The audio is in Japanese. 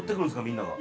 みんなが。